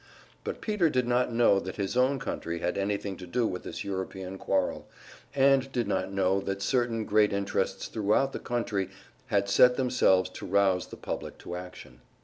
But Peter did not know that his own country had anything to do with this European quarrel, and did not know that certain great interests thruout the country had set themselves to rouse the public to action.